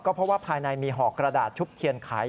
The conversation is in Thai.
เพราะว่าภายในมีห่อกระดาษชุบเทียนขาย